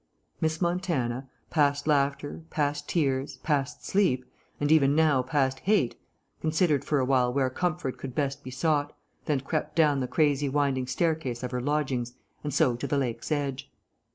Miss Montana, past laughter, past tears, past sleep, and even now past hate, considered for a while where comfort could best be sought, then crept down the crazy winding staircase of her lodgings and so to the lake's edge.